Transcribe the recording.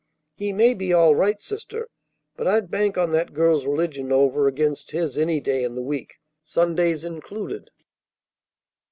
He may be all right, sister; but I'd bank on that girl's religion over against his any day in the week, Sundays included."